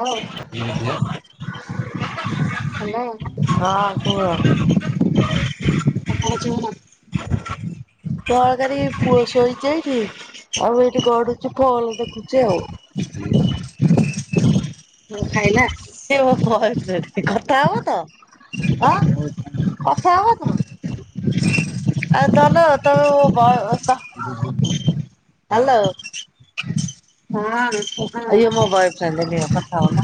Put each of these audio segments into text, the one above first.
ହଉ ହ୍ୟାଲୋ କୁହ। [unintelligible] ତରକାରୀ ପୁଅ ଶୋଇଚି ଏଇଠି ଆଉ ଏଇଠି ଗଡୁଛି ଫୋଲ ଦେଖୁଛି। ଚି ଆଉ କଣ ଖାଇଲା? ସେ ମୋ ବୟଫ୍ରେଣ୍ଡ କଥା ହବ ତ [inaudible] କଥା ହବତ ଆ ଧଲୋ ତୋ ବ ହ୍ୟାଲୋ ହଁ। ହ୍ୟାଲୋ ଇ ମୋ ବୟଫ୍ରେଣ୍ଡ ନିଅ କଥା ହଉନ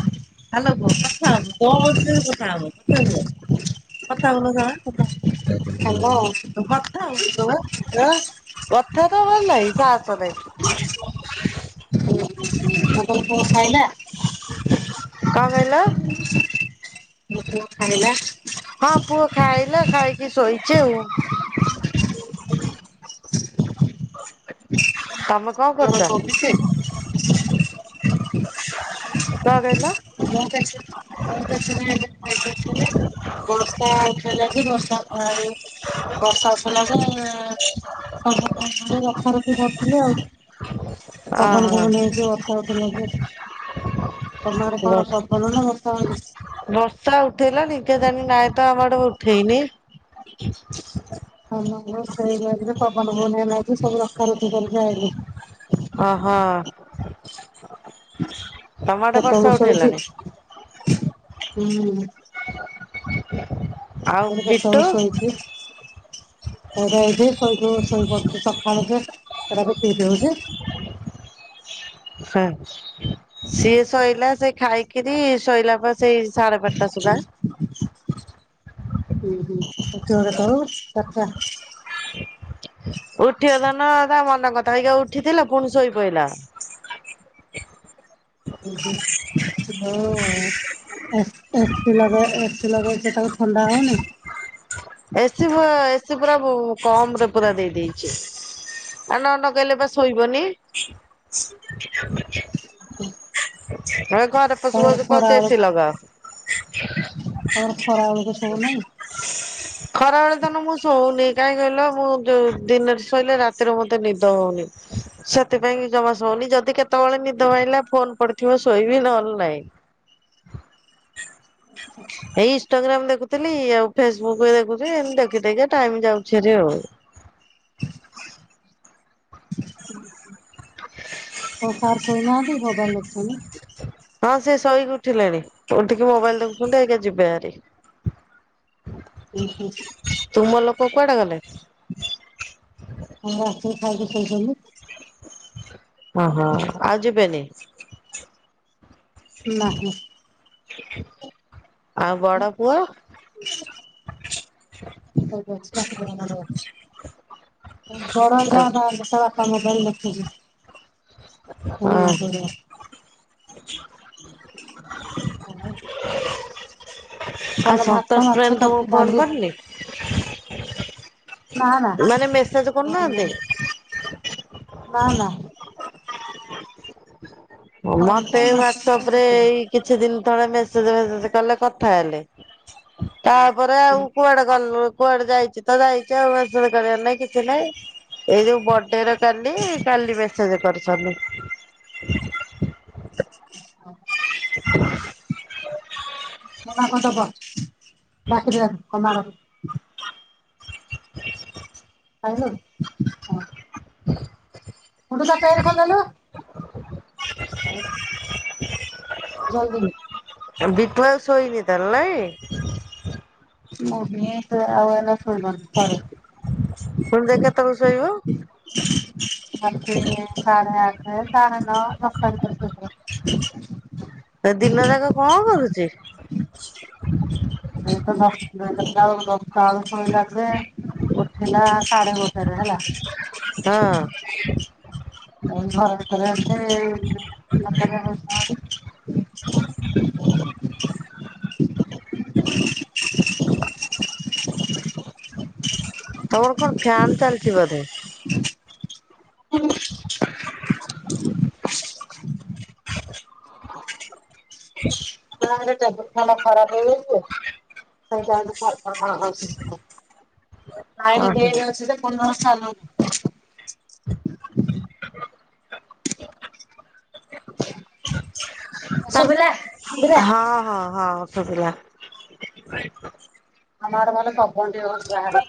ହ୍ୟାଲୋ କୁହ କଥା ହୁଅ କଣ ସିଏ? କଥା ହବ କଥା ହୁଅ କଥା ହଉନ ଥରେ କଥା ତମର [unintelligible] କଥା ହଉଥିଲ ବା [unintelligible] କଥା ତ ହ ଲାହି ସାସ୍ କଣ [unintelligible] କଣ ଖାଇଲା? କଣ କହିଲ? [inaudible] ମୁଁ ପୁଅ ଖାଇଲା। ହଁ ପୁଅ ଖାଇଲା ଖାଇ କେ ଶୋଇଚି ଆଉ। ତମ [unintelligible] କଣ କହିଲ? [unintelligible] ବର୍ଷା ଉଠେଇଲାଯେ ବର୍ଷା ଆଉ ବର୍ଷା ଉଠେଇଲାଯେ ଏ ସବୁ ଖାଲି ରଖା ରୁଖି କରୁଥିଲି ଆଉ ପବନ ଫବନ ଅହୋ ହେଇକି ବର୍ଷା ଉଠେଇଲା ଯେ ତମ ଆଡେ କଣ ପବନ ନା ବର୍ଷା ହଉଛି? ବର୍ଷା ଉଠେଇଲା [inaudible] ନାଇଁ ତ ଆମ ଆଡେ ଉଠେ ଠେଇ ନି। [unintelligible] ଧରିକି ଓହୋ ଆଇଲି। [inaudible] ତମ ଆଡେ କେତେବେଳୁ ବର୍ଷା ଶୋଇଛି ଉଠେଇଲାଣି? ହୁଁ। ଆଉ ବିଟୁ? ସେଟା ଏଇଠି ଶୋଇକି ଶୋଇ ସକାଳୁ ସେଟା ବିଟ ବିଟି ହଉଛି। ହୁଁ ସିଏ ଶୋଇଲା ସେ ଖାଇକିରି ଶୋଇଲା ପରେ ସେଇ ସାଢ଼େ ବାରଟା ସୁଦ୍ଧା। [unintelligible] ଉଠିଗଲା ନା ତା ମନ କଥା ହେଇକି ଆଉ ଉଠିଥିଲା ପୁଣି ଶୋଇ ପଇଲା। ହୁଁ ଏସି ଲଗେଇକି ଶୋଇଲେ ତାକୁ ଥଣ୍ଡା ହଉନି? ଏସି ଏସି ପୁରା କମ୍ ରେ ପୁରା ଦେଇ ଦେଇଦେଇଛି ଆ ନ ନଗେଇନେ ପା ଶୋଇବନି। ହୁଁ। ଆ ଘରେ ପଶୁ ପଶୁ କୋହୁଛି ଏସି ବେଳକୁ ଲଗାଅ। ତମର [unintelligible] ଖରାବେଳେ ତାନେ ମୁଁ ଶୋଉନି କାହିଁ କହିଲ ମୁଁ ଯୋଉ ଦିନରେ ଶୋଇଲେ ରାତିରେ ମତେ ନିଦ ହଉନି ସେଥିପାଇଁ ଜମା ଶଉନି ଯଦି କେ ତଳେ ନିଦ ଭାଙ୍ଗିଲା ଫୋନ୍ ପ ଥିବ ଶୋଇବି ନହେଲେ ନାଇଁ। ଏଇ ଇଷ୍ଟାଗ୍ରାମ ଦେଖୁଥିଲି ଆଉ। ଫେସବୁକ୍ ଦେଖୁଛି ଏମିତି ଦେଖି ଦେଖିକା ଟାଇମ ଯାଉଛି। [unintelligible] ହଁ କଣ ସାର ଶୁଣୁ ନାହାନ୍ତି? ଭଗବାନ ଅଛନ୍ତି। [inaudible] ହଁ ସେ ଶୋଇକି ଉଠିଲେଣି। ଉଠିକି ମୋବାଇଲ ଦେଖୁଛନ୍ତିଏଇନା ଯିବେଭାରି। [inaudible] ଓହୋ [inaudible] କୋଉଠି କୁଆଡେ ଗଲେ। ଆଉ ଆସିକି ଖାଇକି ସୋଇଛନ୍ତି। ଓ ହୋ ଆ ଯିବେନି। ନାହିଁ। [inaudible] ବଡ ପୁଅ? [unintelligible] ବଡ [unintelligible] ପାପା ମୋବାଇଲ୍ ଦେଖୁଚି। ଆ ହ। ଆଉ ଆଉ କଣ ଭାତ ସନ୍ତୋଷ ମାଛ କୁମାର ତର ତମକୁ ଫୋନ୍ ଡାଲି କରନି। ନା ନା ନା ନା କରୁନାହାନ୍ତି? ନା ନା। କଣ ତ ମତେ ମାଛ ହ୍ଵାଟସପ୍ ରେ ଏଇ କିଛି ଦିନ ତଳେ ମେସେଜେ ମେସେଜେ କଲେ କଥା ହେଲେ। ତାପରେ ଆଉ କୁଆଡେ କଲର। କୁଆଡେ ଯାଇଛି ତ ଯାଇଛି ଆଉ ମେସେଜେ କରିବାର ନାଇଁ କିଛି ନାଇଁ ଏଇ ଯୋଉ ବଡେରେ କାଲି କାଲି ମେସେଜ କରୁଛି। ସଲୁ। ହ। [inaudible] [unintelligible] ବାକିକି ଅଣେ। କମାର। ଆଇଁ ଲୁ। [inaudible] ମୁଁ [unintelligible] ଦେଲୁ। [inaudible] ଜଲଦି। ବିକ୍ଳଉ ଶୋଇନି ତାର ନାଇଁ। ମୁଁ ବି ଆଉ ଏଇନା ସୋଇବିନି ପରେ। ପୁଣି ଦେ କେତଳୁକୁ ଶୋଇବ। ଏ ସାଢେ ନଅ ଦଶଟା ଭିତରେ ସୋଇପଡୁ। ଏ ଦିନ ଯାକ କଣ କରୁଛି। ଦିନ ଦଶଟା ବେଳୁକୁ ଦଶଟା ବେଳୁକୁ ଶୋଇଲା ଯେ ଉଠିଲା ସାଢ଼େ ଗୋଟେ ରେ ହେଲା। ହଁ ଅନ୍ଧାର ଭିତରେ ଏତେ [unintelligible] [inaudible] [inaudible] [inaudible] [inaudible] [inaudible] ତମର କଣ ଫ୍ୟାନ ଚାଲିଛି ବୋଧେ? [unintelligible] ନାଁ ଟେବୁଲ ଫ୍ୟାନ ଟା ଖରାପ ହେଇଯାଇଛି ଆଇନ ଓହୋ ବେଡ଼ ଅଛି ଯେ ଫୁଣି କଣ ଚାଲୁନି। ତାଙ୍କ ସୁଵିଲା। ହଁ ହଁ ହଁ ସୁଵିଲା। ଆମ ଆଡେ ଭଲ ପବନ ଟିକେ ହଉଚି ବାହାରେ।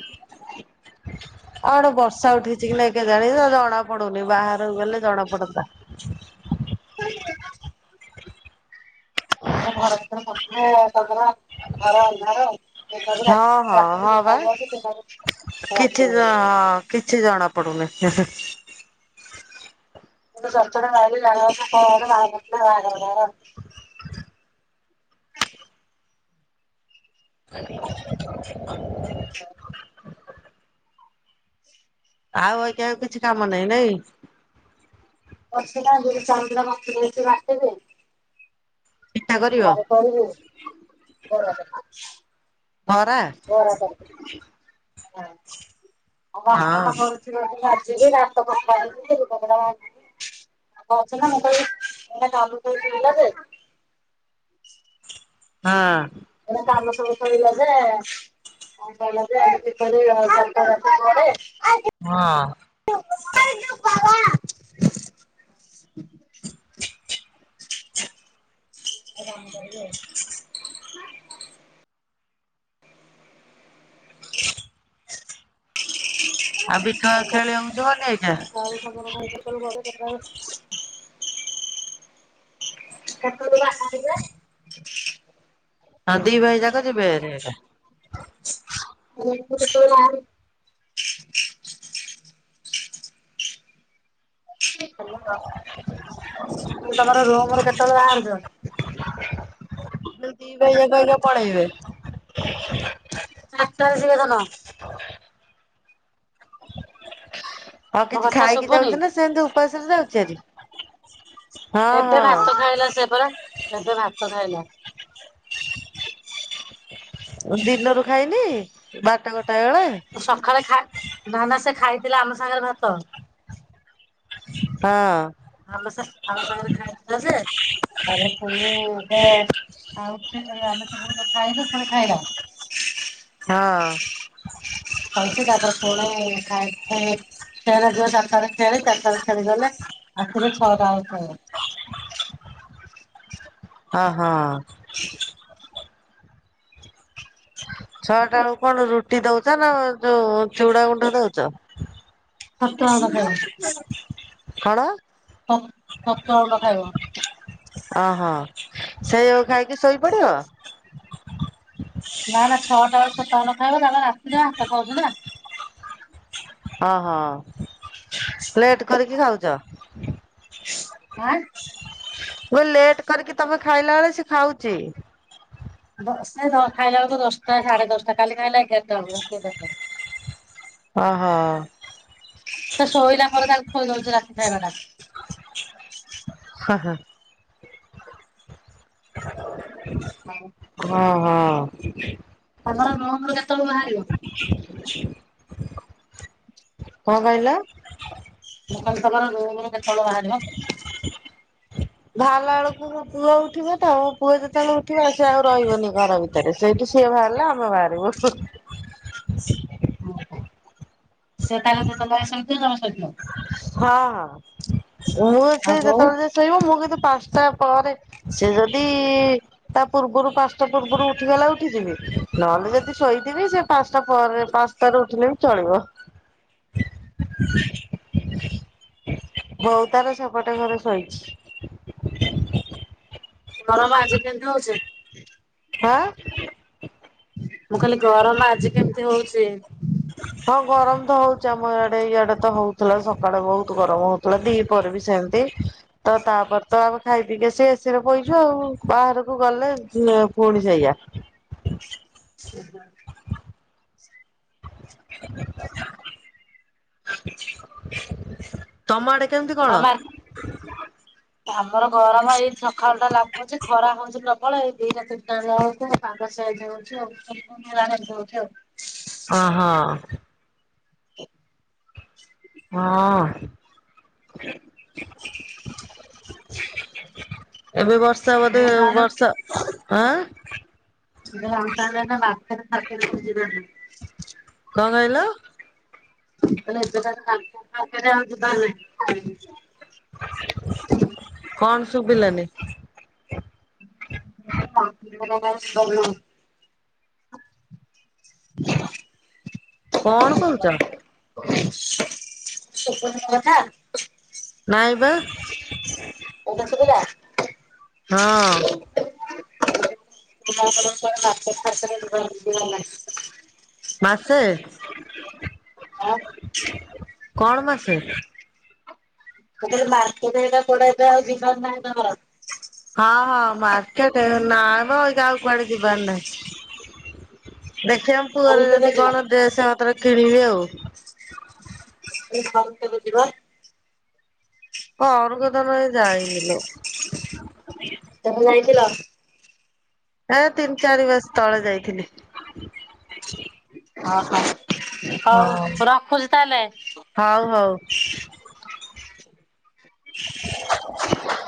ଆଡେ ବର୍ଷା ଉଠେଇଛି କି ନାଇ କେଜାଣି ଜଣା ପଡୁନି ବାହାରେ କୁ ଗଲେ ଜଣା ପଡ଼ନ୍ତା। [inaudible] ଆମ ଘର ଭିତରେ ପଶିଲେ ପବନ ଘର ଅନ୍ଧାର। ଦିନ ବି ହଁ ରାତି ହଁ ରାତି ବି ହଁ ଦିନ ବା ହେଇଯାଉଛି ଦିନ ବି ରାତି କିଛି ହେଇଯାଉଛି। ହଁ କିଛି ଜଣା ପଡୁନି ହେଁ ଚଡ଼ଚଡି ମାଇଲେ ଲାଗେ ବାହାର ତମର [inaudible] ଆଉ ଆଜ୍ଞା କିଛି କାମ ନାହିଁ ନାଇଁ। ଅଛି ନା ବିରି ଚାଉଳ ଦିଟା ବତୁରେଇଚି ବାଟିବି। ପିଠା କରିବ ଘରେ କରିଵି [inaudible] ବରା ବରା କରିବି ହୁଁ। ଆଉ ହଁ ବାସନଟା ପଡିଛି ଯାଇକି ମଜିବି ଭାତ [unintelligible] ହଁ ଏତେ କାମ ସବୁ ପଡିଲା । [unintelligible] ହଁ ବାବା [inaudible] [unintelligible] ଗଲେ କେତେବେଳେ [unintelligible] କେତେଳୁ ବାହାରିବେ? ହଁ ଦିଇ ଭାଇ ଯାକ ଯିବ ତୁ କେତେବେଳେ ବାହାରିବୁ? ତମର ରୁମ କେତେବେଳେ ବାହାରୁଛ? ଦି ଭାଇ ଯାକ ଏନେ ପଳେଇବେ। ଆତ ସ ଏ ଧନ ହଉ ମୋ କିଛି କଥା ଖାଇକି ଶୁଭୁନି ଯାଉଛି ନା ସେ ଯାଉଛୁ? ପସନ୍ଦ ଉଚାରୀ ଏବେ ଭାତ ଖାଇଲା ସେ ପରା ଏବେ ଭା ତ ଖାଇଲା। ଦିନରୁ ଖାଇନି ବାରଟା ଗୋ ସକାଳେ ଖା ଧାନ ସେ ଖାଇଥିଲା ଆମ ସାଙ୍ଗରେ ଭାତ ହଁ ଆମ ଆମ ସାଙ୍ଗରେ ଖାଇ ଯେ ଆରେ ପୁ ହେଁ ଆଉଠି ଆମେ ସବୁବେ ଖାଇଲୁ ସେ ଖାଇଲା ହଁ ଖାଇଛି ତାପରେ ଫୁଣି ଖାଇ ଫେରେ ରେ ଯିବ ଚାରିଟା ଖେଳି ଚାରିଟେ ଖେଳି ଗଲେ ଆସିଲେ ଛଅଟା ବେଳକୁ ଖାଇବ। ହଁ ହଁ ଛଆ ଟା ବେଳକୁ କଣ ରୁଟି ଦଉଛ ନା ଯୋଉ ଚୁଡା ଗୁଣ୍ଡ ଦଉଛ? [unintelligible] କଣ? ଛତୁଆ ଗୁଣ୍ଡ ଖାଇବ। ଅ ହ ସେ ଯୋଉ ଖାଇକି ଶୋଇପଡିବ? ନା ନା ଛଅଟା ବେଳ ଛତ ଗୁଣ୍ଡ ଖାଇବ ତାଲେ ରାତିରେ ଭାତ ଖାଉଛିନା ହଁ ହଁ ଲେଟ କରିକି ଖାଉଛ? ଆଁ ବୋ ଲେଟ୍ କରିକି ତମେ ଖାଇଲା ବେଳେ ସେ ଖାଉଛି ବସ ଖାଇଲା ବେଳକୁ ଦଶଟା ସାଢେ ଦଶଟା କାଲି ଖାଇଲେ ଏଗାରଟା ବେଳକୁ ଓ ହୋ ତ ଶୋଇଲା ପରେର ତାଙ୍କୁ ଖୋଇ ଦଉଛି ରାତିଯାକଟା ହଁ ହଁ ହଁ ହଁ [unintelligible] ତମ ବାହାରିବ କଣ କହିଲ? ଲୋକ ତମର ରୁମ୍ ରୁ କେତେବେଳ ବାହାରିବ? ବାହାରିଲା ବେଳକୁ ମୋ ପୁଅ ଉଠିବ ତ ମୋ ପୁଅ ଯେତେବେଳେ ଉଠିବ ସେ ଆଉ ରହିବନି ଘର ଭିତରେ ସେଇଠୁ ସିଏ ବାହାରିଲେ ଆମେ ବାହାରିବୁ। ଓ ସେତାର [unintelligible] ହଁ ହଁ ମୁଁ ସେ ଆଉ ବୋଉ ଯେତେବେଳେ ଯାଏ ଶୋଇବ ମୁଁ କିନ୍ତୁ ପାଞ୍ଚଟା ପରେ ସେ ଯଦି ତା ପୂର୍ବରୁ ପାଞ୍ଚଟା ପୂର୍ବରୁ ଉଠିଗଲା ଉଠିଯିବେ ନହେଲେ ଯଦି ଶୋଇଥିବି ସେ ପାଞ୍ଚଟା ପରେ ପାଞ୍ଚଟାରୁ ଉଠିଲେ ବି ଚଳିବ। ବଉ ତାର ସେପଟ ଘରେ ଶୋଇଚି। ଗରମ ଆଜି କେମିତି ହଉଛି? ଆଁ ମୁଁ ଖାଲି ଗରମ ଆଜି ହଉଛି। ହଁ ଗରମ ତ ହଉଚି ଆମ ଆଡେ ଇଆଡେ ତ ହଉଥିଲା ସକାଳେ ବହୁତ ଗରମ ହଉଥିଲା ଦି ପରେ ବି ସେମିତି ତ ତାପରେ ତ ଆମେ ଖାଇ ପିକି ସେ ଏସିି ରେ ପଇଚୁ ଆଉ ବାହାରକୁ ଗଲେ ପୁଣି ସେଇଆ। [inaudible] ତମ କେମିତି କଣ? ଆମ ଆମର ଗରମ ଏଇ ସକାଳୁ ଟା ଲାଗୁଛି ଖରା ହଉଛି ପ୍ରବଳ ଏଇ ଦିଟା ତିନି ଟା ଯାଉଛି ପାଗ ସିଆଳିଟା ଦଉଚି ଆଉ ଦଉଚି ଆଉ। ହଁ ହଁ [inaudible] ହଁ [inaudible] [inaudible] ଏବେ ବର୍ଷା ବଧୁ ହୁଏ ଆଉ ବର୍ଷା ଆଁ [unintelligible] ହଉଚି ନା ନାଇଁ। କ କହିଲ? [unintelligible] କ ସୁବିଲାନି। [unintelligible] [inaudible] କଣ କହୁଚ? ସୁବୁନି ମୋ କଥା। [inaudible] ଅଧା ସୁବିଲା। ହଁ [unintelligible] ମାସେ ହଁ କଣ ମାସେ? ମୁଁ କହିଲି ମାର୍କେଟ ଏଇଟା କୁଆଡେ ଏବେ ଆଉ ଦିନ ରେ ନାହିଁ ତମର। ହଁ ହଁ ମାର୍କେଟ ନା ମ ଏଗାକୁ କୁଆଡେ ଯିବାର ନାଇ। ଖିଆ ପୁଅ ର ଘରକୁ କେବେ ଯଦି ଯିବ? କଣ ଡେସ ହବ କିଣିବି ଆଉ। [unintelligible] ଘରକୁ ତ ମେ ଯାଇନି ଲୋ। [unintelligible] ପିଲା। ହଁ ତିନି ଚାରି ବର୍ଷ ତଳେ ଯାଇଥିଲି। ଓ ହୋ। ହଁ ହଉ ରଖୁଛି ତାହେଲେ। ହଉ [inaudible]